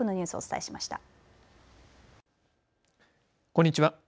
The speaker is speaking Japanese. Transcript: こんにちは。